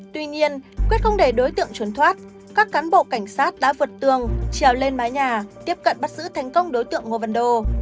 tuy nhiên quyết không để đối tượng trốn thoát các cán bộ cảnh sát đã vượt tường trèo lên mái nhà tiếp cận bắt giữ thành công đối tượng ngô văn đô